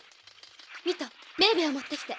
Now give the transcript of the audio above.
ミトメーヴェを持ってきて。